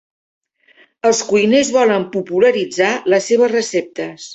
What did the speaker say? Els cuiners volen popularitzar les seves receptes